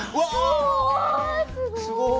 おすごい。